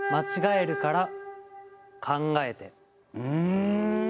うん！